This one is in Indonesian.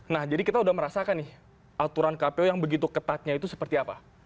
nah jadi kita sudah merasakan nih aturan kpu yang begitu ketatnya itu seperti apa